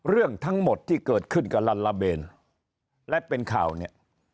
เรื่องทั้งหมดที่เกิดขึ้นกับลัลลาเบนและเป็นข่าวเนี่ย